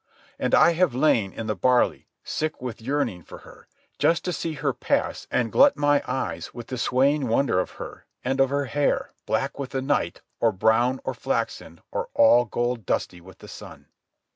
And I have lain in the barley, sick with yearning for her, just to see her pass and glut my eyes with the swaying wonder of her and of her hair, black with the night, or brown or flaxen, or all golden dusty with the sun.